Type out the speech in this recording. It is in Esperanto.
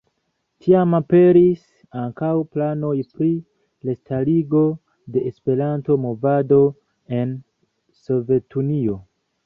Tiam aperis ankaŭ planoj pri restarigo de Esperanto-movado en Sovetunio.